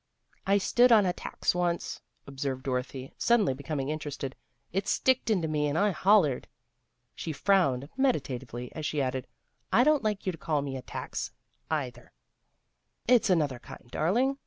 " I stood on a tacks once," observed Dorothy, suddenly becoming interested. " It sticked into me, and I hollered." She frowned meditatively as she added, " I don't like you to call me a tacks, either." " It's another kind, darling.